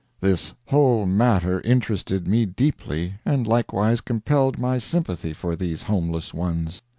This whole matter interested me deeply, and likewise compelled my sympathy for these homeless ones.